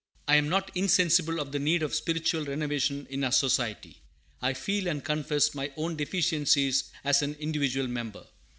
I am not insensible of the need of spiritual renovation in our Society. I feel and confess my own deficiencies as an individual member.